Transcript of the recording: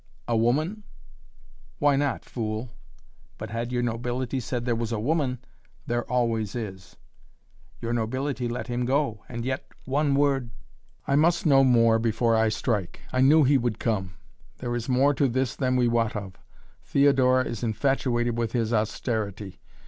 "A woman?" "Why not, fool?" "But had your nobility said there was a woman " "There always is." "Your nobility let him go and yet one word " "I must know more, before I strike. I knew he would come. There is more to this than we wot of. Theodora is infatuated with his austerity.